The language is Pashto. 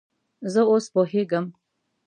زه اوس پوهیږم